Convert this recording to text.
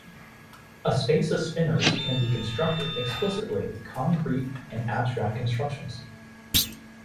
A space of spinors can be constructed explicitly with concrete and abstract constructions.